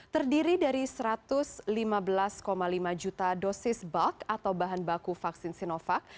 terdiri dari satu ratus lima belas lima juta dosis bag atau bahan baku vaksin sinovac